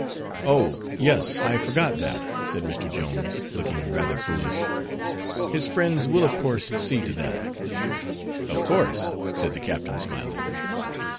"Oh! yes, I forgot that," said Mr. Jones, looking rather foolish. "His friends will of course see to that." "Of course," said the captain smiling.